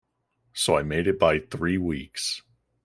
So I made it by three weeks.